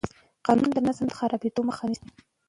قانون د نظم د خرابېدو مخه نیسي.